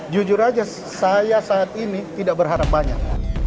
jujur saja saya saat ini tidak berharap banyak